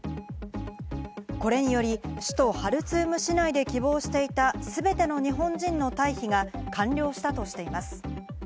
それにより、首都ハルツーム市内で希望していた全ての日本人の退避が完了したとしています。